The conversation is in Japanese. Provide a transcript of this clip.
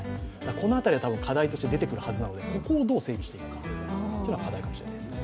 この辺りは課題として出てくるはずなので、ここをどう整備していくかっていうのが課題ですね。